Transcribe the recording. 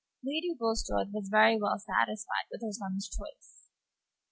Lady Bulstrode was very well satisfied with her son's choice.